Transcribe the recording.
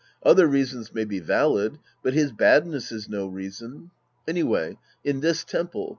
Other reasons may be valid, but his badness is no reason. Anyway, in this temple.